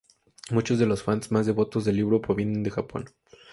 Muchos de los fans más devotos del libro provienen de Japón.